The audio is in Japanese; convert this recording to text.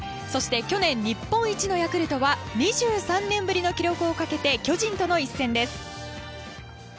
そして去年日本一のヤクルトは２３年ぶりの記録をかけて巨人との一戦です。